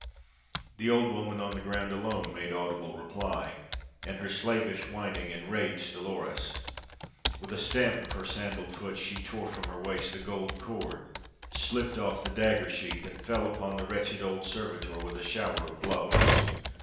The old woman on the ground alone made audible reply, and her slavish whining enraged Dolores. With a stamp of her sandaled foot she tore from her waist the gold cord, slipped off the dagger sheath, and fell upon the wretched old servitor with a shower of blows.